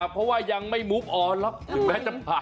เพราะว่ายังไม่มุบออนหรอกถึงแม้จะผ่าน